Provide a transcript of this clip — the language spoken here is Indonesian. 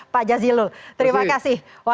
pak jazilul terima kasih